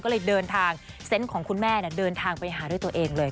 ก็เลยเดินทางเซนต์ของคุณแม่เดินทางไปหาด้วยตัวเองเลย